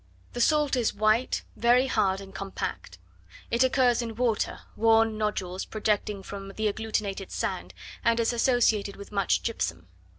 The salt is white, very hard, and compact: it occurs in water worn nodules projecting from the agglutinated sand, and is associated with much gypsum.